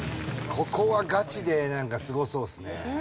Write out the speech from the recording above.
ここはガチでなんかすごそうですね。